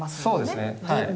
そうですねはい。